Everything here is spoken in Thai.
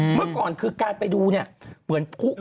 เมื่อก่อนคือการไปดูเปลืองขึ้น